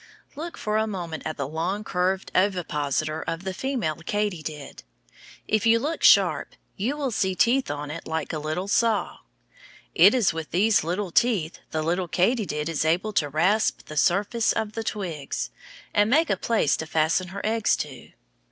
Look for a moment at the long curved ovipositor of the female katydid. If you look sharp, you will see teeth on it like a little saw. It is with these teeth the little katydid is able to rasp the surface of the twigs, and make a place to fasten her eggs to.